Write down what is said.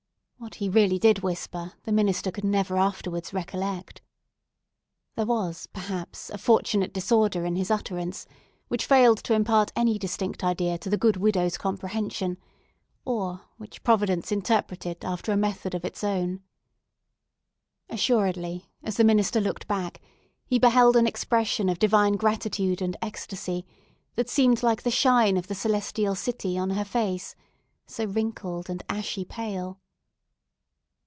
What he really did whisper, the minister could never afterwards recollect. There was, perhaps, a fortunate disorder in his utterance, which failed to impart any distinct idea to the good widow's comprehension, or which Providence interpreted after a method of its own. Assuredly, as the minister looked back, he beheld an expression of divine gratitude and ecstasy that seemed like the shine of the celestial city on her face, so wrinkled and ashy pale.